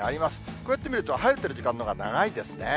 こうやって見ると、晴れている時間のほうが長いですね。